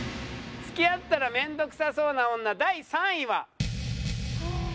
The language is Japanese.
付き合ったら面倒くさそうな女第３位は。